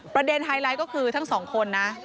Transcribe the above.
ไฮไลท์ก็คือทั้งสองคนนะ